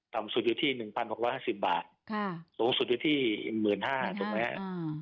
ต่ำสุดอยู่ที่หนึ่งพันหกร้อยห้าสิบบาทค่ะสูงสุดอยู่ที่หมื่นห้าถูกไหมฮะ